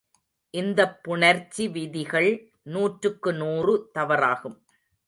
இந்தப் புணர்ச்சி விதிகள் நூற்றுக்கு நூறு தவறாகும்.